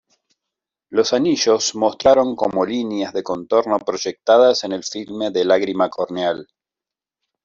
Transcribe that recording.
Los anillos mostraron como líneas de contorno proyectadas en el filme de lágrima corneal.